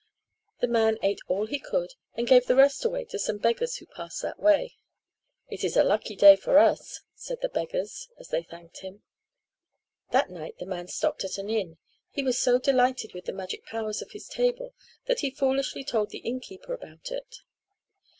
The man ate all he could and gave the rest away to some beggars who passed that way. "It is a lucky day for us," said the beggars as they thanked him. That night the man stopped at an inn. He was so delighted with the magic powers of his table that he foolishly told the innkeeper about it.